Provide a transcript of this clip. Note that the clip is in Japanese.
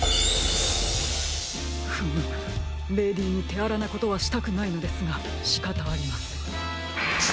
フムムレディーにてあらなことはしたくないのですがしかたありません。